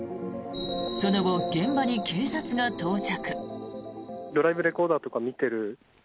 その後、現場に警察が到着。